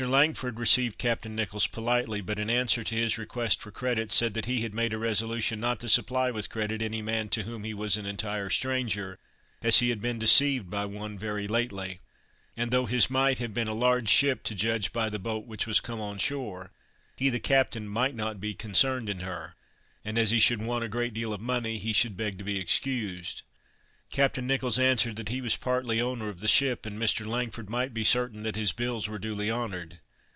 Langford received Captain Nicholls politely, but, in answer to his request for credit, said, that he had made a resolution not to supply with credit any man to whom he was an entire stranger, as he had been deceived by one very lately; and, though his might have been a large ship, to judge by the boat which was come on shore, he, the captain, might not be concerned in her, and, as he should want a great deal of money, he should beg to be excused. Captain Nicholls answered, that he was partly owner of the ship, and Mr. Langford might be certain that his bills were duly honored.